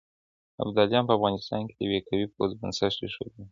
ابداليان په افغانستان کې د يوه قوي پوځ بنسټ اېښودونکي دي.